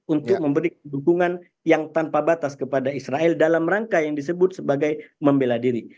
untuk memberi dukungan yang tanpa batas kepada israel dalam rangka yang disebut sebagai membela diri